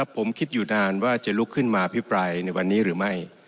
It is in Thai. ผมคิดอยู่นานว่าจะลุกขึ้นมาอภิปรายในวันนี้หรือไม่